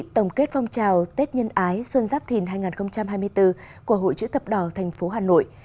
tổng kết phong trào tết nhân ái xuân giáp thìn hai nghìn hai mươi bốn của hội chữ thập đỏ tp hà nội